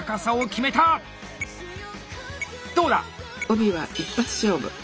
帯は一発勝負。